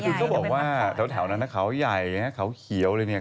ก็บอกว่าแถวนั้นเขาใหญ่เขาเขียวเลยเนี่ย